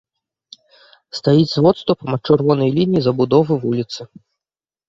Стаіць з водступам ад чырвонай лініі забудовы вуліцы.